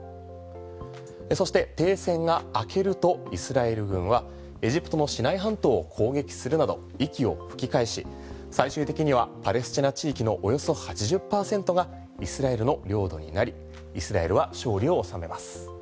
そして停戦が明けるとイスラエル軍はエジプトのシナイ半島を攻撃するなど息を吹き返し、最終的にはパレスチナ地域のおよそ８０％がイスラエルの領土になりイスラエルは勝利を収めます。